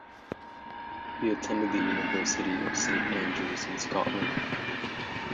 He attended the University of Saint Andrews in Scotland.